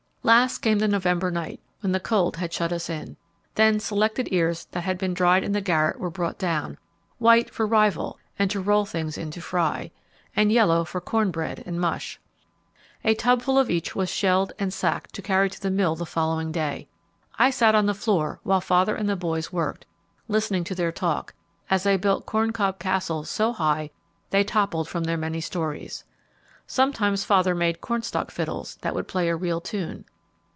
Last came the November night, when the cold had shut us in. Then selected ears that had been dried in the garret were brought down, white for 'rivel' and to roll things in to fry, and yellow for corn bread and mush. A tub full of each was shelled, and sacked to carry to the mill the following day. I sat on the floor while father and the boys worked, listening to their talk, as I built corncob castles so high they toppled from their many stories. Sometimes father made cornstock fiddles that would play a real tune.